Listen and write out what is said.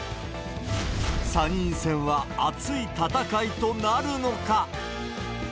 参院選は熱い戦いとなるのか。